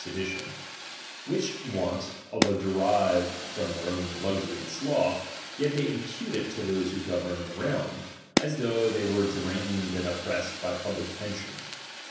sedition ; which want, although derived from their " n nrpniiiic own luxury and sloth, yet they impute it to those duc^ih iu»ch ■*\'ho govern the realm, as though they were ^^„^, uE^^b. dramed and oppressed by public pensions.